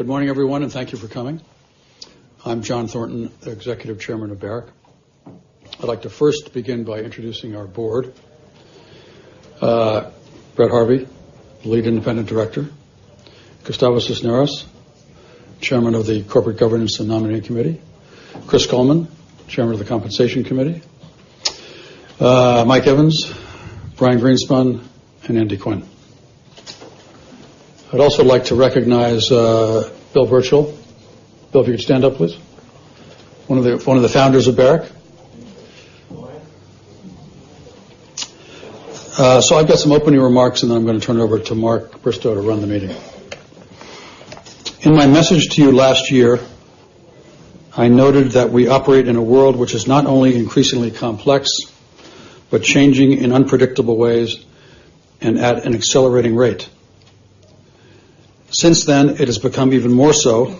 Good morning, everyone, and thank you for coming. I'm John Thornton, Executive Chairman of Barrick. I'd like to first begin by introducing our board. J. Brett Harvey, Lead Independent Director. Gustavo Cisneros, Chairman of the Corporate Governance and Nominating Committee. Christopher L. Coleman, Chairman of the Compensation Committee. J. Michael Evans, Brian Greenspun, and Andrew J. Quinn. I'd also like to recognize Bill Birchall. Bill, if you could stand up, please. One of the founders of Barrick. I've got some opening remarks and then I'm going to turn it over to Mark Bristow to run the meeting. In my message to you last year, I noted that we operate in a world which is not only increasingly complex, but changing in unpredictable ways, and at an accelerating rate. Since then, it has become even more so,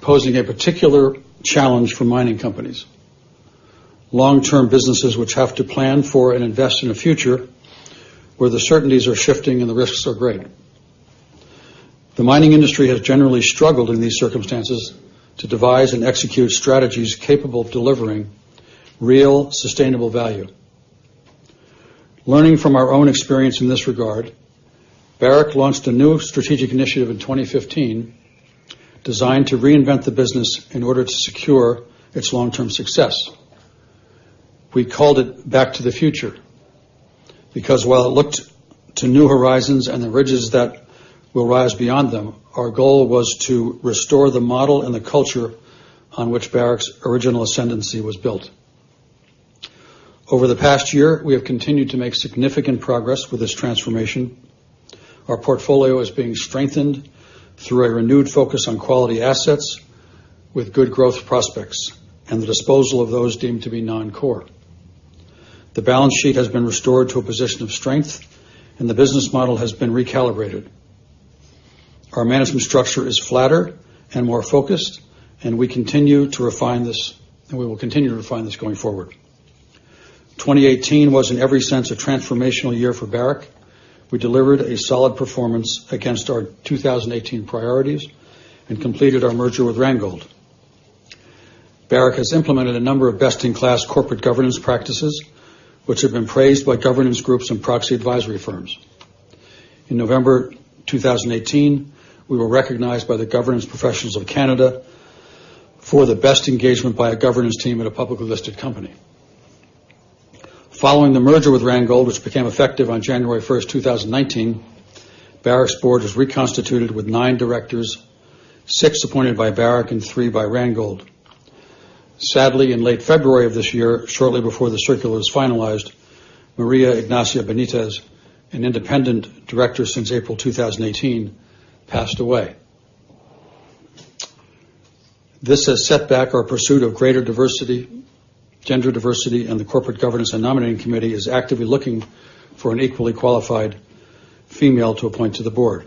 posing a particular challenge for mining companies. Long-term businesses which have to plan for and invest in a future, where the certainties are shifting and the risks are great. The mining industry has generally struggled in these circumstances to devise and execute strategies capable of delivering real sustainable value. Learning from our own experience in this regard, Barrick launched a new strategic initiative in 2015, designed to reinvent the business in order to secure its long-term success. We called it Back to the Future, because while it looked to new horizons and the ridges that will rise beyond them, our goal was to restore the model and the culture on which Barrick's original ascendancy was built. Over the past year, we have continued to make significant progress with this transformation. Our portfolio is being strengthened through a renewed focus on quality assets with good growth prospects, and the disposal of those deemed to be non-core. The balance sheet has been restored to a position of strength, and the business model has been recalibrated. Our management structure is flatter and more focused, and we will continue to refine this going forward. 2018 was, in every sense, a transformational year for Barrick. We delivered a solid performance against our 2018 priorities and completed our merger with Randgold Resources. Barrick has implemented a number of best-in-class corporate governance practices, which have been praised by governance groups and proxy advisory firms. In November 2018, we were recognized by the Governance Professionals of Canada for the best engagement by a governance team at a publicly listed company. Following the merger with Randgold Resources, which became effective on January 1st, 2019, Barrick's board was reconstituted with nine directors, six appointed by Barrick and three by Randgold Resources. Sadly, in late February of this year, shortly before the circular was finalized, María Ignacia Benítez, an independent director since April 2018, passed away. This has set back our pursuit of greater gender diversity, and the Corporate Governance and Nominating Committee is actively looking for an equally qualified female to appoint to the board.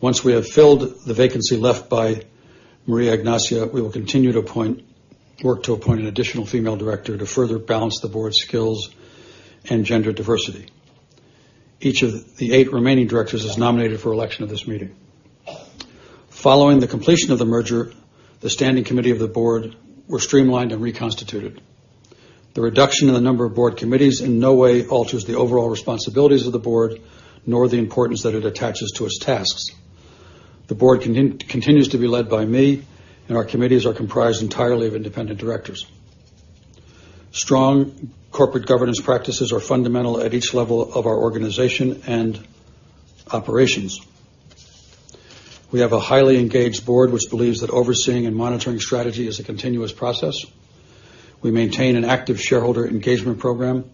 Once we have filled the vacancy left by María Ignacia, we will continue to work to appoint an additional female director to further balance the board's skills and gender diversity. Each of the eight remaining directors is nominated for election at this meeting. Following the completion of the merger, the standing committee of the board were streamlined and reconstituted. The reduction in the number of board committees in no way alters the overall responsibilities of the board, nor the importance that it attaches to its tasks. The board continues to be led by me. Our committees are comprised entirely of independent directors. Strong corporate governance practices are fundamental at each level of our organization and operations. We have a highly engaged board which believes that overseeing and monitoring strategy is a continuous process. We maintain an active shareholder engagement program.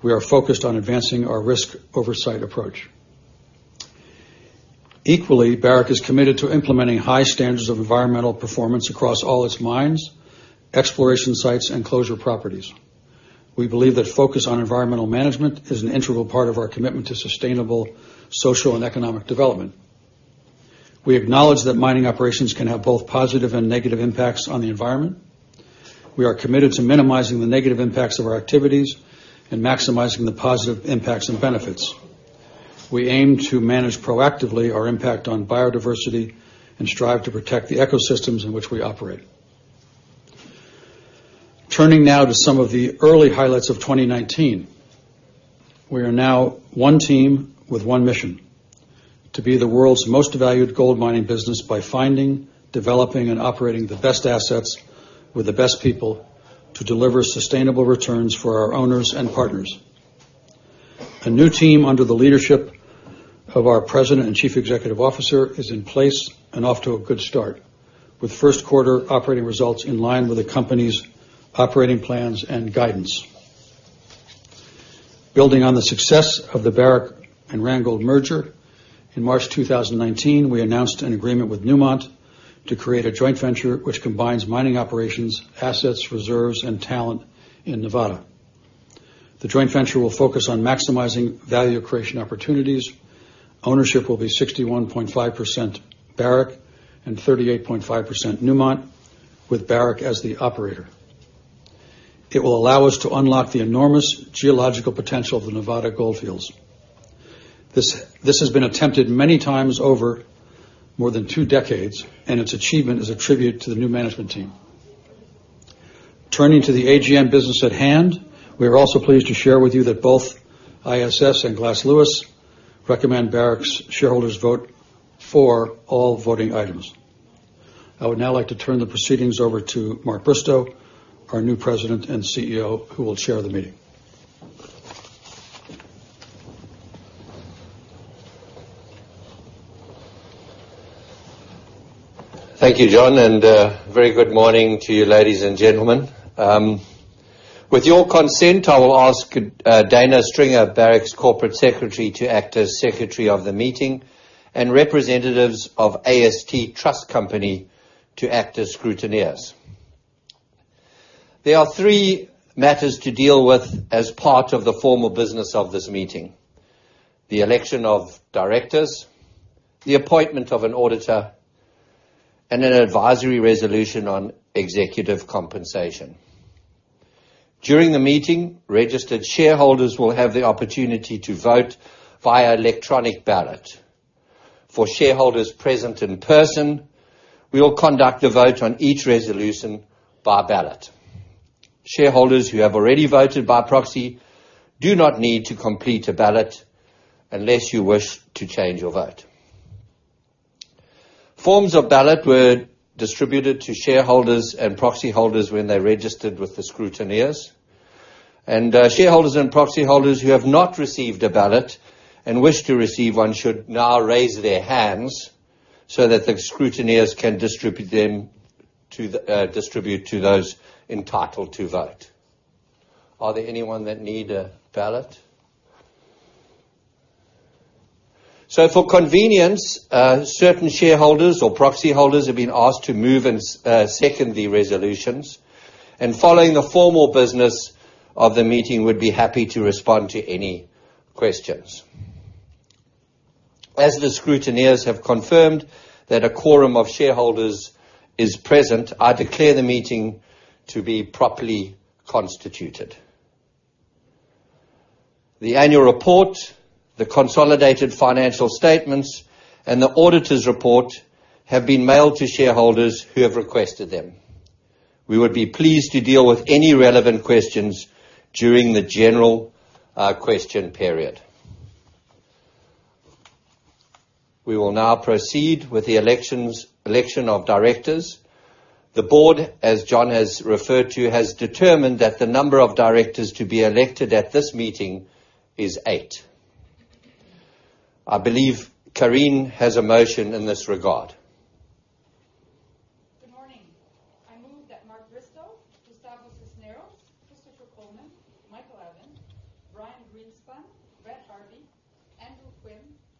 We are focused on advancing our risk oversight approach. Equally, Barrick is committed to implementing high standards of environmental performance across all its mines, exploration sites, and closure properties. We believe that focus on environmental management is an integral part of our commitment to sustainable social and economic development. We acknowledge that mining operations can have both positive and negative impacts on the environment. We are committed to minimizing the negative impacts of our activities and maximizing the positive impacts and benefits. We aim to manage proactively our impact on biodiversity and strive to protect the ecosystems in which we operate. Turning now to some of the early highlights of 2019. We are now one team with one mission: to be the world's most valued gold mining business by finding, developing, and operating the best assets with the best people to deliver sustainable returns for our owners and partners. A new team under the leadership of our President and Chief Executive Officer is in place and off to a good start, with first quarter operating results in line with the company's operating plans and guidance. Building on the success of the Barrick and Randgold merger, in March 2019, we announced an agreement with Newmont to create a joint venture which combines mining operations, assets, reserves, and talent in Nevada. The joint venture will focus on maximizing value creation opportunities. Ownership will be 61.5% Barrick and 38.5% Newmont, with Barrick as the operator. It will allow us to unlock the enormous geological potential of the Nevada goldfields. This has been attempted many times over more than two decades, and its achievement is a tribute to the new management team. Turning to the AGM business at hand, we are also pleased to share with you that both ISS and Glass Lewis recommend Barrick's shareholders vote for all voting items. I would now like to turn the proceedings over to Mark Bristow, our new President and Chief Executive Officer, who will chair the meeting. Thank you, John. Very good morning to you, ladies and gentlemen. With your consent, I will ask Dana Stringer, Barrick's Corporate Secretary, to act as secretary of the meeting and representatives of AST Trust Company to act as scrutineers. There are three matters to deal with as part of the formal business of this meeting, the election of directors, the appointment of an auditor, and an advisory resolution on executive compensation. During the meeting, registered shareholders will have the opportunity to vote via electronic ballot. For shareholders present in person, we will conduct a vote on each resolution by ballot. Shareholders who have already voted by proxy do not need to complete a ballot unless you wish to change your vote. Forms of ballot were distributed to shareholders and proxy holders when they registered with the scrutineers. Shareholders and proxy holders who have not received a ballot and wish to receive one should now raise their hands so that the scrutineers can distribute to those entitled to vote. Are there anyone that need a ballot? For convenience, certain shareholders or proxy holders have been asked to move and second the resolutions, and following the formal business of the meeting, we'd be happy to respond to any questions. As the scrutineers have confirmed that a quorum of shareholders is present, I declare the meeting to be properly constituted. The annual report, the consolidated financial statements, and the auditor's report have been mailed to shareholders who have requested them. We would be pleased to deal with any relevant questions during the general question period. We will now proceed with the election of directors. The board, as John has referred to, has determined that the number of directors to be elected at this meeting is eight. I believe Carine has a motion in this regard. Good morning. I move that Mark Bristow, Gustavo Cisneros, Christopher Coleman, Michael Evans, Brian Greenspun, Brett Harvey, Andrew Quinn,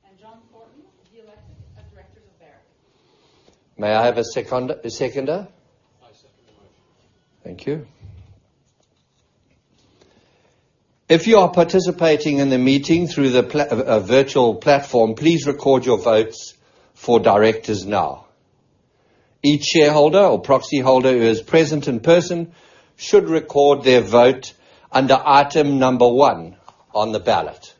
and John Thornton be elected as directors of Barrick. May I have a seconder? I second the motion. Thank you. If you are participating in the meeting through a virtual platform, please record your votes for directors now. Each shareholder or proxy holder who is present in person should record their vote under item number 1 on the ballot.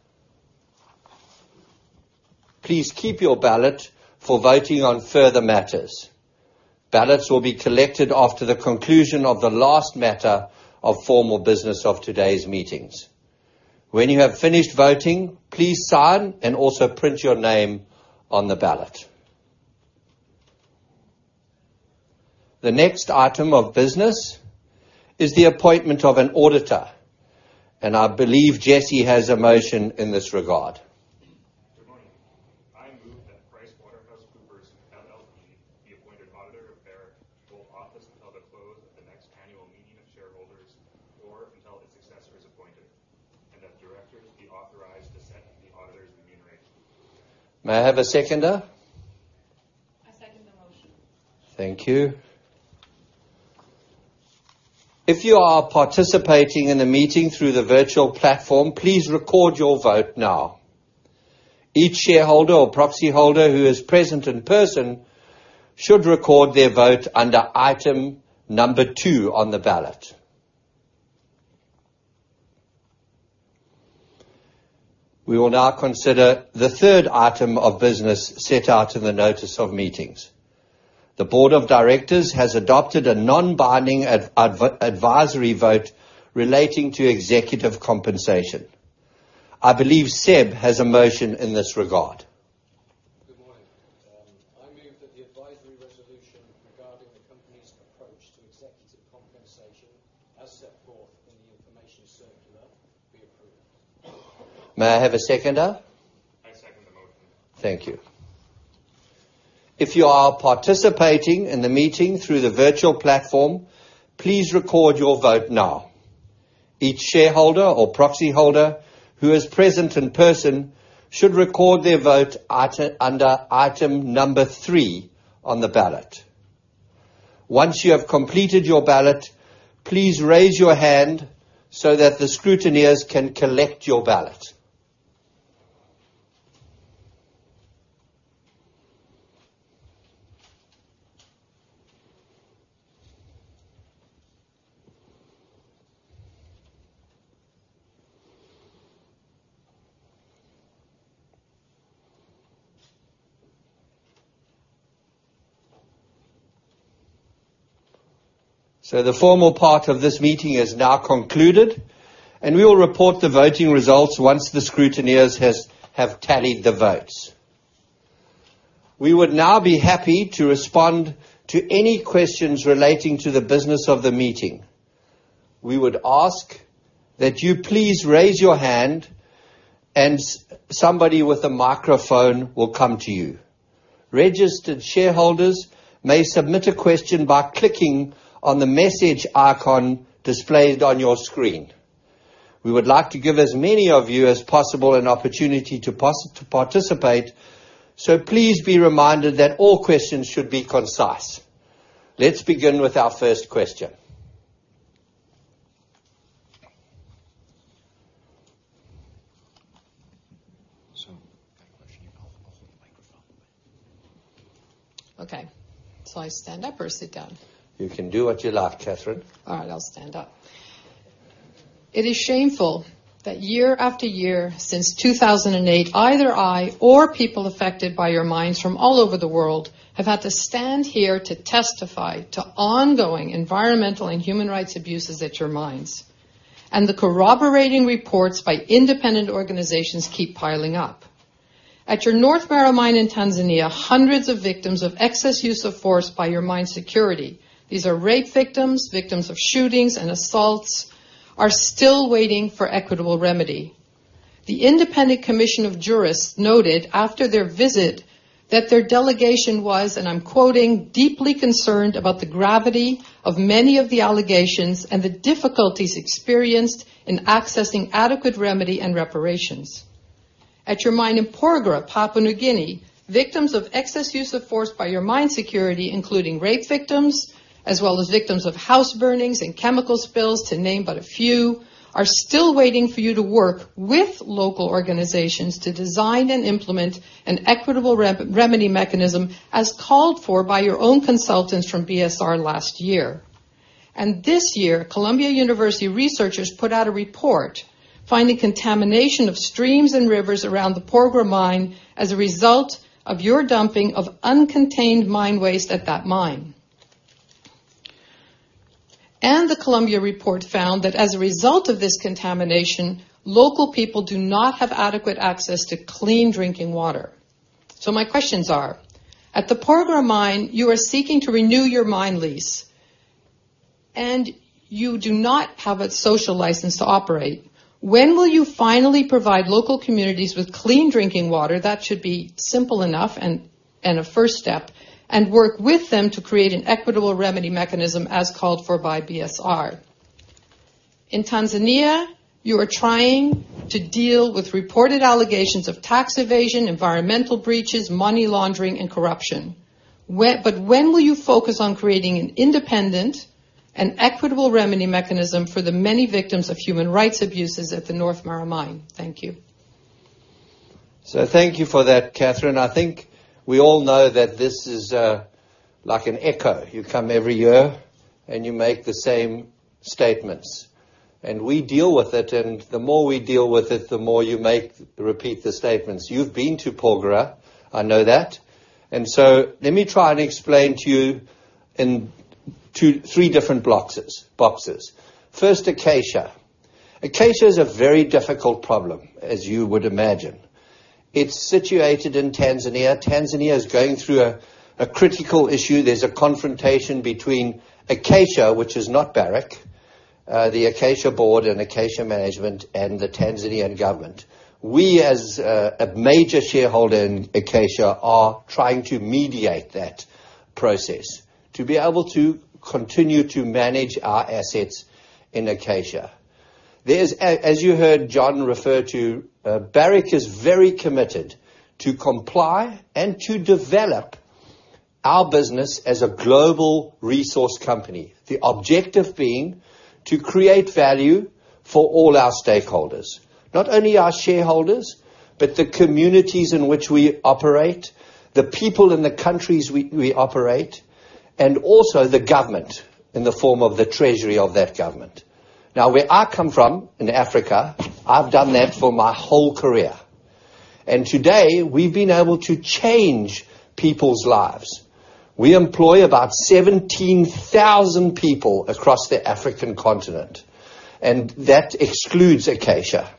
Please keep your ballot for voting on further matters. Ballots will be collected after the conclusion of the last matter of formal business of today's meetings. When you have finished voting, please sign and also print your name on the ballot. The next item of business is the appointment of an auditor, and I believe Jesse has a motion in this regard. Good morning. I move that PricewaterhouseCoopers, LLP be appointed auditor of Barrick, hold office until the close of the next annual meeting of shareholders or until its successor is appointed, and that directors be authorized to set the auditor's remuneration. May I have a seconder? I second the motion. Thank you. If you are participating in the meeting through the virtual platform, please record your vote now. Each shareholder or proxy holder who is present in person should record their vote under item number 2 on the ballot. We will now consider the third item of business set out in the notice of meetings. The board of directors has adopted a non-binding advisory vote relating to executive compensation. I believe Seb has a motion in this regard. Good morning. I move that the advisory resolution regarding the company's approach to executive compensation, as set forth in the information circular, be approved. May I have a seconder? I second the motion. Thank you. If you are participating in the meeting through the virtual platform, please record your vote now. Each shareholder or proxy holder who is present in person should record their vote under item number three on the ballot. Once you have completed your ballot, please raise your hand so that the scrutineers can collect your ballot. The formal part of this meeting is now concluded, and we will report the voting results once the scrutineers have tallied the votes. We would now be happy to respond to any questions relating to the business of the meeting. We would ask that you please raise your hand and somebody with a microphone will come to you. Registered shareholders may submit a question by clicking on the message icon displayed on your screen. We would like to give as many of you as possible an opportunity to participate, please be reminded that all questions should be concise. Let's begin with our first question. For the question, you can hold the microphone. Okay. I stand up or sit down? You can do what you like, Catherine. All right, I'll stand up. It is shameful that year after year, since 2008, either I or people affected by your mines from all over the world have had to stand here to testify to ongoing environmental and human rights abuses at your mines. The corroborating reports by independent organizations keep piling up. At your North Mara mine in Tanzania, hundreds of victims of excess use of force by your mine security, these are rape victims of shootings and assaults, are still waiting for equitable remedy. The International Commission of Jurists noted after their visit that their delegation was, and I'm quoting, "Deeply concerned about the gravity of many of the allegations and the difficulties experienced in accessing adequate remedy and reparations." At your mine in Porgera, Papua New Guinea, victims of excess use of force by your mine security, including rape victims, as well as victims of house burnings and chemical spills, to name but a few, are still waiting for you to work with local organizations to design and implement an equitable remedy mechanism, as called for by your own consultants from BSR last year. This year, Columbia University researchers put out a report finding contamination of streams and rivers around the Porgera mine as a result of your dumping of uncontained mine waste at that mine. The Columbia report found that as a result of this contamination, local people do not have adequate access to clean drinking water. My questions are, at the Porgera mine, you are seeking to renew your mine lease and you do not have a social license to operate. When will you finally provide local communities with clean drinking water? That should be simple enough and a first step. Work with them to create an equitable remedy mechanism, as called for by BSR. In Tanzania, you are trying to deal with reported allegations of tax evasion, environmental breaches, money laundering, and corruption. When will you focus on creating an independent and equitable remedy mechanism for the many victims of human rights abuses at the North Mara mine? Thank you. Thank you for that, Catherine. I think we all know that this is like an echo. You come every year and you make the same statements, and we deal with it, and the more we deal with it, the more you repeat the statements. You've been to Porgera, I know that. Let me try and explain to you in three different boxes. First, Acacia. Acacia is a very difficult problem, as you would imagine. It's situated in Tanzania. Tanzania is going through a critical issue. There's a confrontation between Acacia, which is not Barrick, the Acacia board and Acacia management and the Tanzanian government. We, as a major shareholder in Acacia, are trying to mediate that process to be able to continue to manage our assets in Acacia. As you heard John refer to, Barrick is very committed to comply and to develop our business as a global resource company, the objective being to create value for all our stakeholders. Not only our shareholders, but the communities in which we operate, the people in the countries we operate, and also the government in the form of the treasury of that government. Where I come from in Africa, I've done that for my whole career, and today, we've been able to change people's lives. We employ about 17,000 people across the African continent, and that excludes Acacia.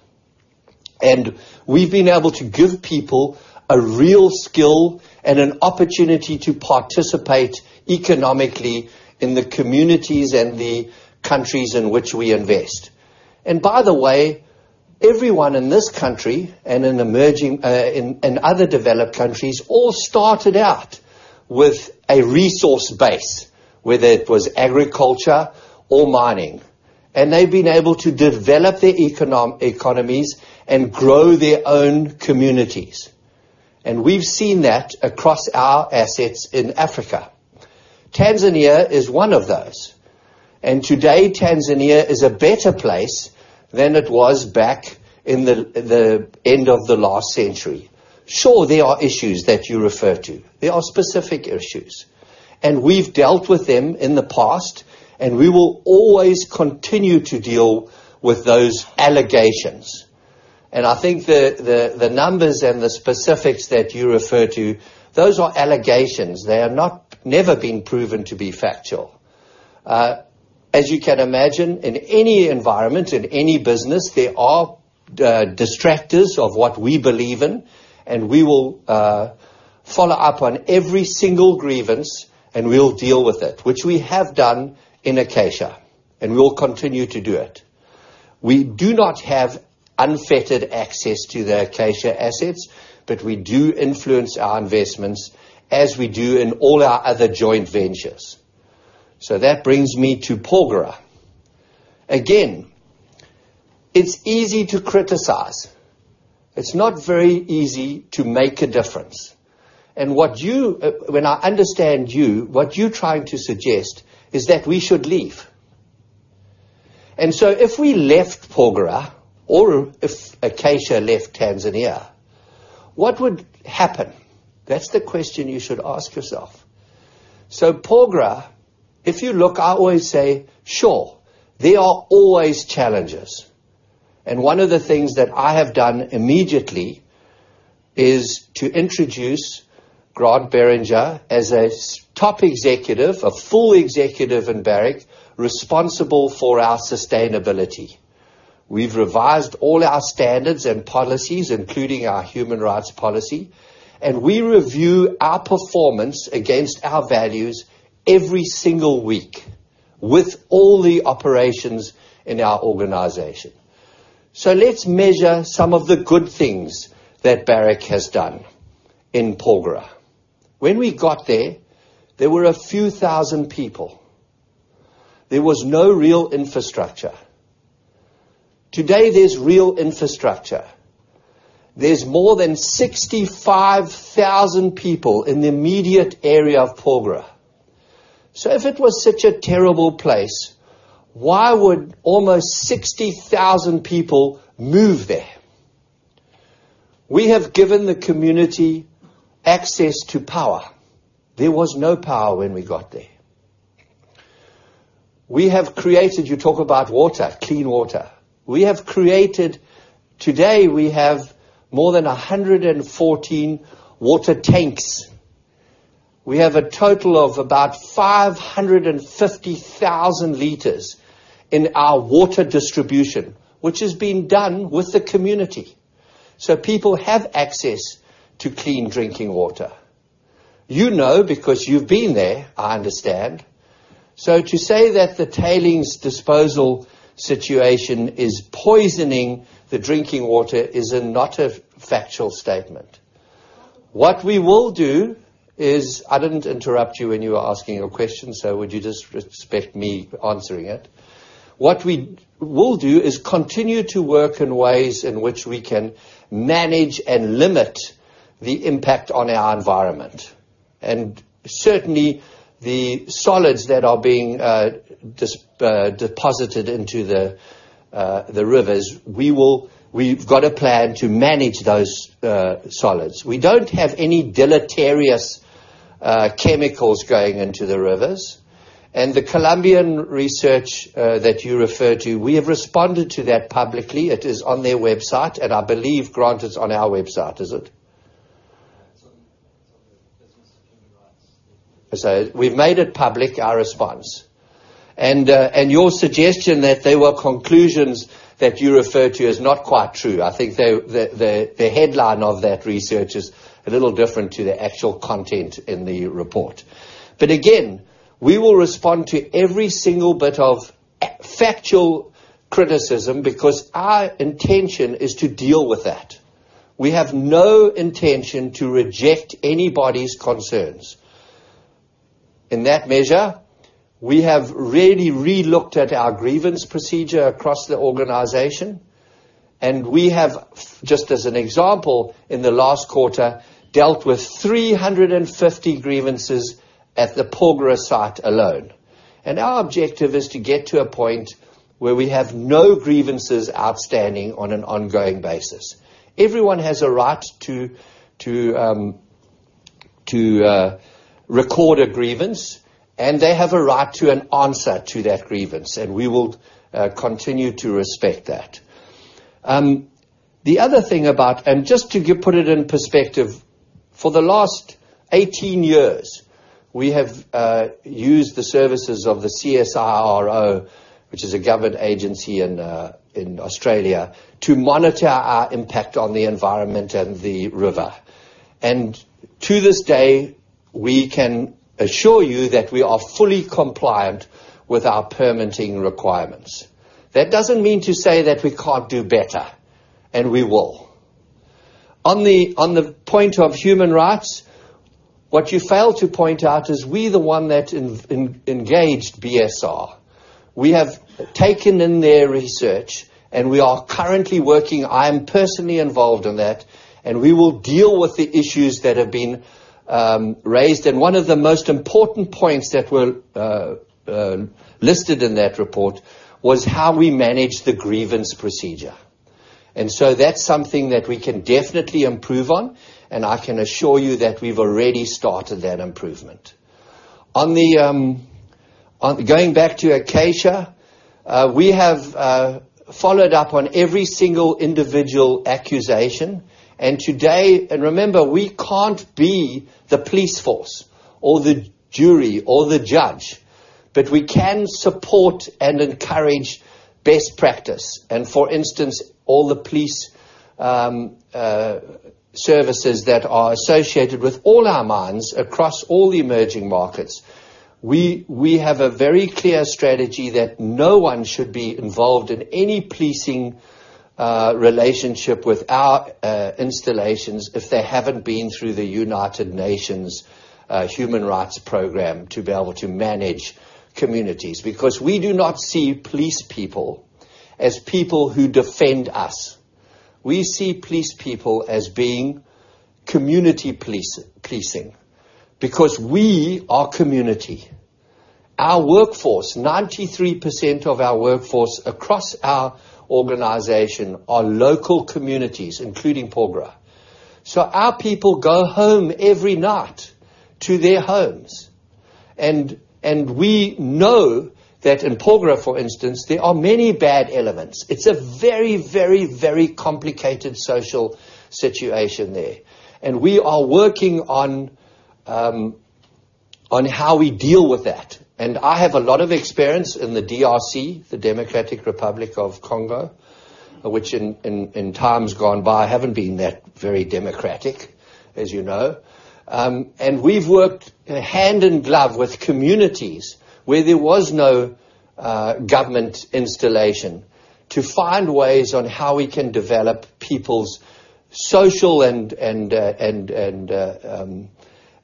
We've been able to give people a real skill and an opportunity to participate economically in the communities and the countries in which we invest. By the way, everyone in this country and in other developed countries all started out with a resource base, whether it was agriculture or mining. They've been able to develop their economies and grow their own communities, and we've seen that across our assets in Africa. Tanzania is one of those. Today, Tanzania is a better place than it was back in the end of the last century. Sure, there are issues that you refer to. There are specific issues, and we've dealt with them in the past, and we will always continue to deal with those allegations. I think the numbers and the specifics that you refer to, those are allegations. They are never been proven to be factual. As you can imagine, in any environment, in any business, there are distractors of what we believe in. We will follow up on every single grievance, and we'll deal with it, which we have done in Acacia, and we will continue to do it. We do not have unfettered access to the Acacia assets, but we do influence our investments as we do in all our other joint ventures. That brings me to Porgera. Again, it's easy to criticize. It's not very easy to make a difference. When I understand you, what you're trying to suggest is that we should leave. If we left Porgera or if Acacia left Tanzania, what would happen? That's the question you should ask yourself. Porgera, if you look, I always say, sure, there are always challenges. One of the things that I have done immediately is to introduce Grant Beringer as a top executive, a full executive in Barrick, responsible for our sustainability. We've revised all our standards and policies, including our human rights policy, and we review our performance against our values every single week with all the operations in our organization. Let's measure some of the good things that Barrick has done in Porgera. When we got there were a few thousand people. There was no real infrastructure. Today, there's real infrastructure. There's more than 65,000 people in the immediate area of Porgera. If it was such a terrible place, why would almost 60,000 people move there? We have given the community access to power. There was no power when we got there. We have created, you talk about water, clean water. We have created, today we have more than 114 water tanks. We have a total of about 550,000 liters in our water distribution, which has been done with the community. People have access to clean drinking water. You know because you've been there, I understand. To say that the tailings disposal situation is poisoning the drinking water is not a factual statement. What we will do is. I didn't interrupt you when you were asking your question, would you just respect me answering it? What we will do is continue to work in ways in which we can manage and limit the impact on our environment. Certainly, the solids that are being deposited into the rivers, we've got a plan to manage those solids. We don't have any deleterious chemicals going into the rivers. The Colombian research that you refer to, we have responded to that publicly. It is on their website, and I believe, Grant, it's on our website. Is it? It's on the business human rights. We've made it public, our response. Your suggestion that there were conclusions that you refer to is not quite true. I think the headline of that research is a little different to the actual content in the report. Again, we will respond to every single bit of factual criticism because our intention is to deal with that. We have no intention to reject anybody's concerns. In that measure, we have really re-looked at our grievance procedure across the organization. We have, just as an example, in the last quarter, dealt with 350 grievances at the Porgera site alone. Our objective is to get to a point where we have no grievances outstanding on an ongoing basis. Everyone has a right to record a grievance, and they have a right to an answer to that grievance, and we will continue to respect that. The other thing about, just to put it in perspective, for the last 18 years, we have used the services of the CSIRO, which is a government agency in Australia, to monitor our impact on the environment and the river. To this day, we can assure you that we are fully compliant with our permitting requirements. That doesn't mean to say that we can't do better, and we will. On the point of human rights, what you fail to point out is we're the one that engaged BSR. We have taken in their research, and we are currently working. I am personally involved in that, and we will deal with the issues that have been raised. One of the most important points that were listed in that report was how we manage the grievance procedure. So that's something that we can definitely improve on, and I can assure you that we've already started that improvement. Going back to Acacia, we have followed up on every single individual accusation. Remember, we can't be the police force, or the jury, or the judge, but we can support and encourage best practice. For instance, all the police services that are associated with all our mines across all the emerging markets, we have a very clear strategy that no one should be involved in any policing relationship with our installations if they haven't been through the United Nations Human Rights Program to be able to manage communities. We do not see police people as people who defend us. We see police people as being community policing, because we are community. 93% of our workforce across our organization are local communities, including Porgera. Our people go home every night to their homes. We know that in Porgera, for instance, there are many bad elements. It's a very complicated social situation there. We are working on how we deal with that. I have a lot of experience in the DRC, the Democratic Republic of Congo, which in times gone by, haven't been that very democratic, as you know. We've worked hand in glove with communities where there was no government installation to find ways on how we can develop people's social and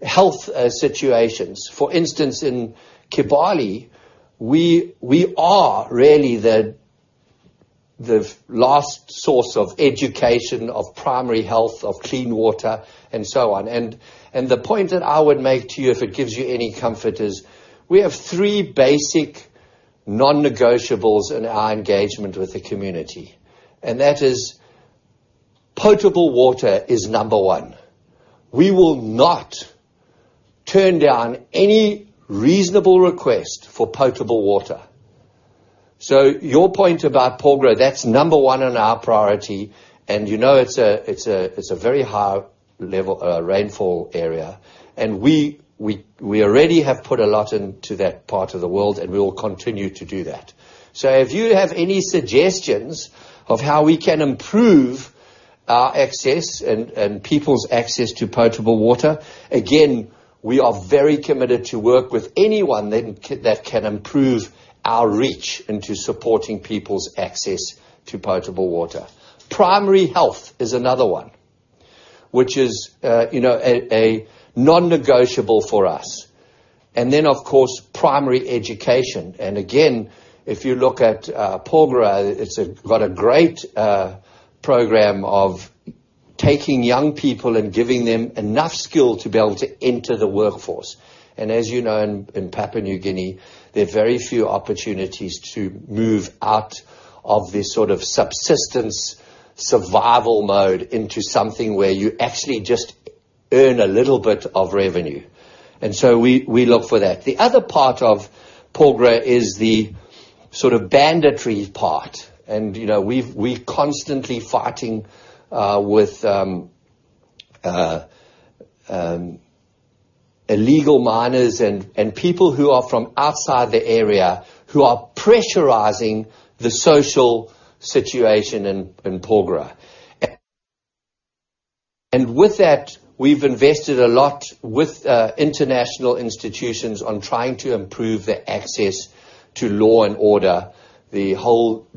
health situations. For instance, in Kibali, we are really the last source of education, of primary health, of clean water, and so on. The point that I would make to you, if it gives you any comfort, is we have three basic non-negotiables in our engagement with the community. That is potable water is number 1. We will not turn down any reasonable request for potable water. Your point about Porgera, that's number 1 on our priority, and you know it's a very high rainfall area. We already have put a lot into that part of the world, and we will continue to do that. So if you have any suggestions of how we can improve our access and people's access to potable water, again, we are very committed to work with anyone that can improve our reach into supporting people's access to potable water. Primary health is another one, which is a non-negotiable for us. Then, of course, primary education. Again, if you look at Porgera, it's got a great program of taking young people and giving them enough skill to be able to enter the workforce. As you know, in Papua New Guinea, there are very few opportunities to move out of this sort of subsistence survival mode into something where you actually just earn a little bit of revenue. So we look for that. The other part of Porgera is the sort of banditry part. We're constantly fighting with illegal miners and people who are from outside the area who are pressurizing the social situation in Porgera. With that, we've invested a lot with international institutions on trying to improve the access to law and order, the whole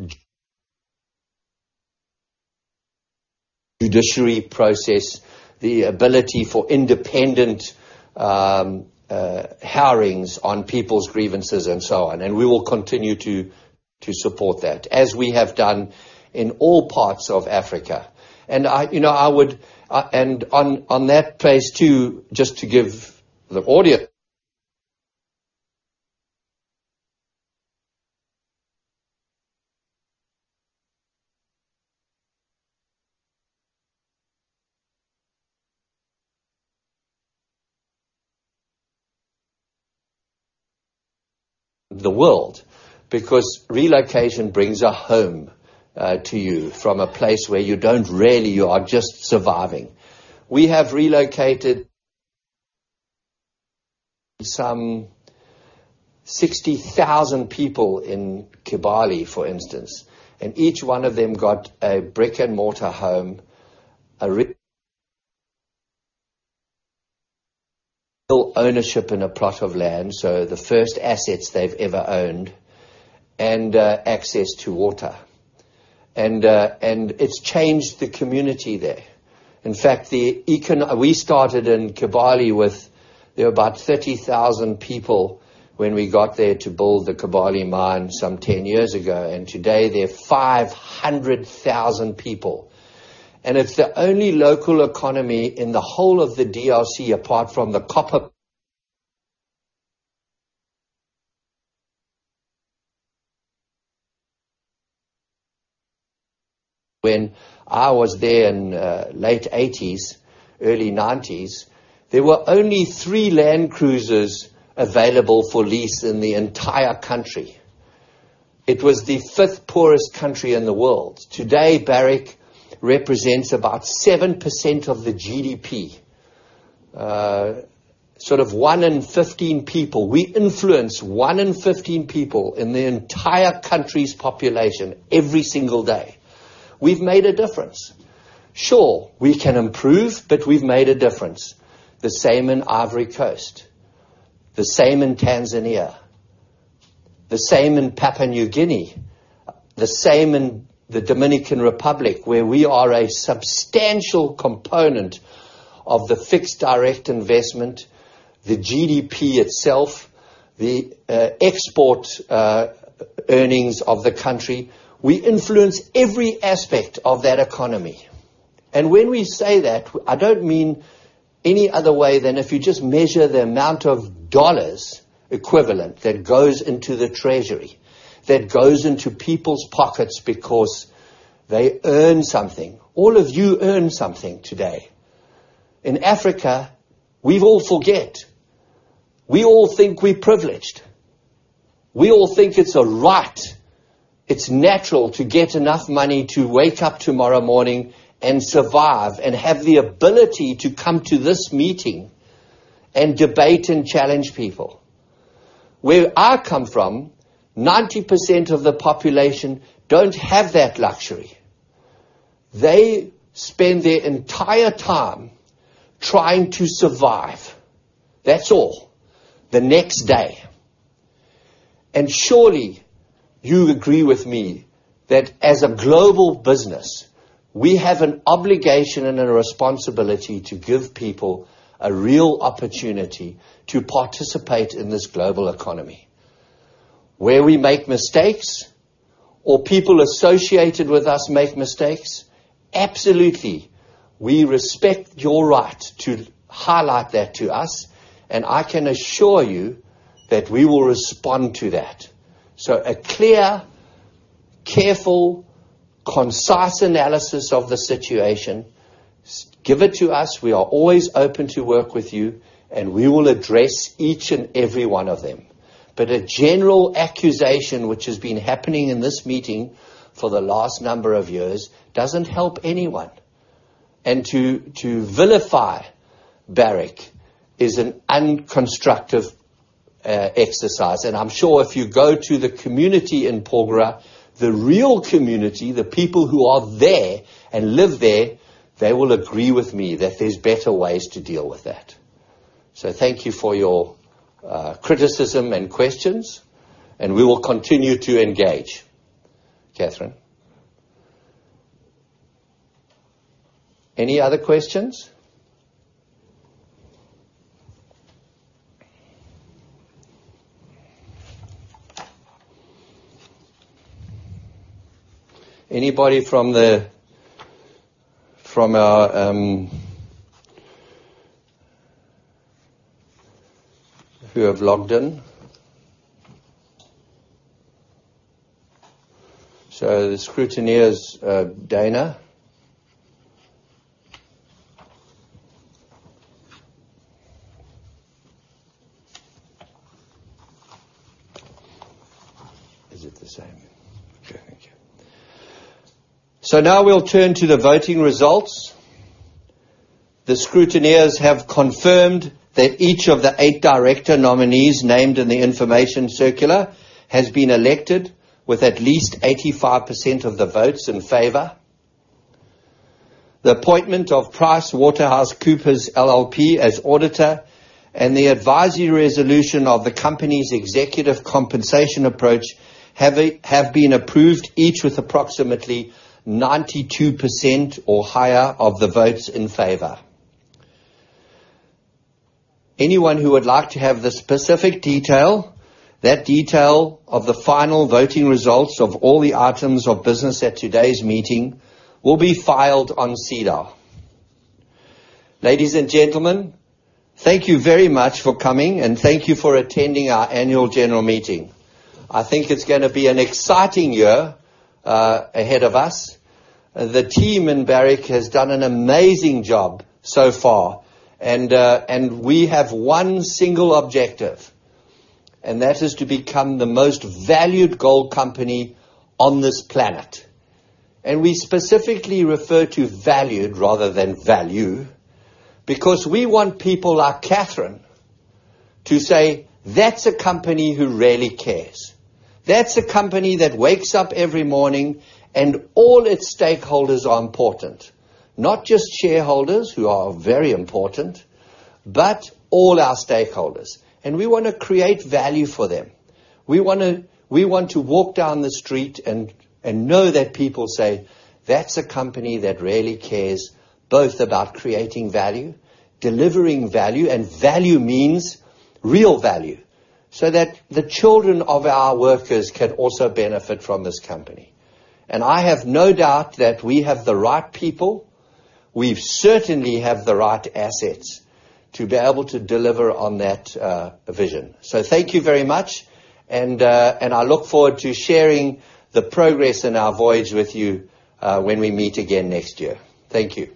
judiciary process, the ability for independent hearings on people's grievances and so on. We will continue to support that, as we have done in all parts of Africa. On that place, too, just to give the audience the world, because relocation brings a home to you from a place where you don't really, you are just surviving. We have relocated some 60,000 people in Kibali, for instance, and each one of them got a brick-and-mortar home, a real ownership in a plot of land, so the first assets they've ever owned, and access to water. It's changed the community there. In fact, we started in Kibali with about 30,000 people when we got there to build the Kibali Mine some 10 years ago, and today there are 500,000 people. It's the only local economy in the whole of the DRC apart from the copper. When I was there in late '80s, early '90s, there were only three Land Cruisers available for lease in the entire country. It was the fifth poorest country in the world. Today, Barrick represents about 7% of the GDP. Sort of one in 15 people. We influence one in 15 people in the entire country's population every single day. We've made a difference. Sure, we can improve, but we've made a difference. The same in Ivory Coast, the same in Tanzania, the same in Papua New Guinea, the same in the Dominican Republic, where we are a substantial component of the fixed direct investment, the GDP itself, the export earnings of the country. When we say that, I don't mean any other way than if you just measure the amount of dollars equivalent that goes into the treasury, that goes into people's pockets because they earn something. All of you earn something today. In Africa, we all forget. We all think we're privileged. We all think it's a right. It's natural to get enough money to wake up tomorrow morning and survive and have the ability to come to this meeting and debate and challenge people. Where I come from, 90% of the population don't have that luxury. They spend their entire time trying to survive. That's all. The next day. Surely, you agree with me that as a global business, we have an obligation and a responsibility to give people a real opportunity to participate in this global economy. Where we make mistakes or people associated with us make mistakes, absolutely, we respect your right to highlight that to us, and I can assure you that we will respond to that. A clear, careful, concise analysis of the situation, give it to us. We are always open to work with you, and we will address each and every one of them. A general accusation, which has been happening in this meeting for the last number of years, doesn't help anyone. To vilify Barrick is an unconstructive exercise. I'm sure if you go to the community in Porgera, the real community, the people who are there and live there, they will agree with me that there's better ways to deal with that. Thank you for your criticism and questions, and we will continue to engage. Catherine. Any other questions? Anybody who have logged in? The scrutineers, Dana. Is it the same? Okay, thank you. Now we'll turn to the voting results. The scrutineers have confirmed that each of the eight director nominees named in the information circular has been elected with at least 85% of the votes in favor. The appointment of PricewaterhouseCoopers LLP as auditor and the advisory resolution of the company's executive compensation approach have been approved, each with approximately 92% or higher of the votes in favor. Anyone who would like to have the specific detail, that detail of the final voting results of all the items of business at today's meeting will be filed on SEDAR. Ladies and gentlemen, thank you very much for coming, and thank you for attending our annual general meeting. I think it's going to be an exciting year ahead of us. The team in Barrick has done an amazing job so far. We have one single objective, and that is to become the most valued gold company on this planet. We specifically refer to valued rather than value because we want people like Catherine to say, "That's a company who really cares. That's a company that wakes up every morning and all its stakeholders are important." Not just shareholders, who are very important, but all our stakeholders. We want to create value for them. We want to walk down the street and know that people say, "That's a company that really cares both about creating value, delivering value." Value means real value, so that the children of our workers can also benefit from this company. I have no doubt that we have the right people. We've certainly have the right assets to be able to deliver on that vision. Thank you very much, and I look forward to sharing the progress in our voyage with you when we meet again next year. Thank you.